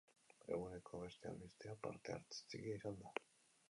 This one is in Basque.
Eguneko beste albistea parte-hartze txikia izan da.